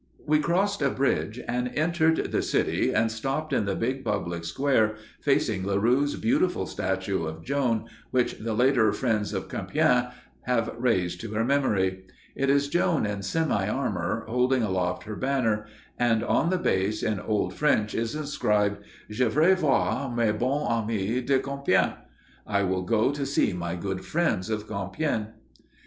We crossed a bridge and entered the city, and stopped in the big public square facing Laroux's beautiful statue of Joan which the later "friends of Compiègne" have raised to her memory. It is Joan in semi armor, holding aloft her banner; and on the base in old French is inscribed, "Je yray voir mes bons amys de Compiègne" "I will go to see my good friends of Compiègne."